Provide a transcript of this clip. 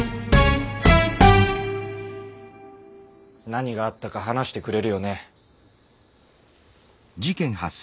何があったか話してくれるよね？